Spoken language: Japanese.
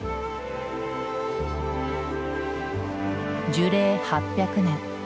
樹齢８００年。